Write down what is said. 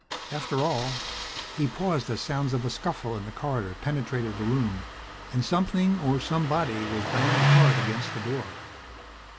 After all ..." He paused as sounds of a scuffle in the corridor penetrated the room and something or somebody was banged hard against the door.